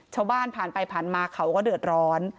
ชาวบ้านผ่านไปผ่านมาเขาก็เดือดร้อน